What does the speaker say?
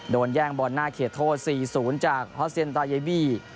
โดนแย่งบอลหน้าเขตโทษสี่ศูนย์จากฮอสเซียนตาเยบี